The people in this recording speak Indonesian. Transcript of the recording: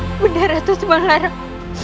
ibu nara subanglarang